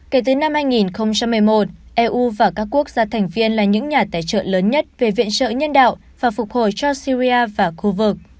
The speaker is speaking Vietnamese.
kể từ năm hai nghìn một mươi một eu và các quốc gia thành viên là những nhà tài trợ lớn nhất về viện trợ nhân đạo và phục hồi cho syria và khu vực